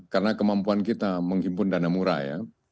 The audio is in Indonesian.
karena kemampuan kita menghimpun dana murah ya